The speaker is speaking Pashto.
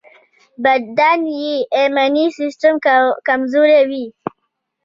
بدن یې ایمني سيستم کمزوری وي.